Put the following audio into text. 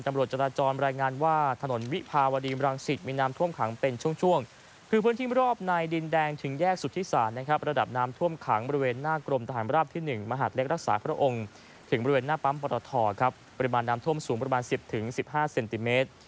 ตำรวจจราจรรายงานว่าถนนวิภาวดีมรังสิตมีน้ำท่วมขังเป็นช่วงคือพื้นที่รอบในดินแดงถึงแยกสุธิศาลนะครับระดับน้ำท่วมขังบริเวณหน้ากรมทหารราบที่๑มหาดเล็กรักษาพระองค์ถึงบริเวณหน้าปั๊มปรทครับปริมาณน้ำท่วมสูงประมาณ๑๐๑๕เซนติเมตร